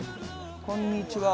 こんにちは。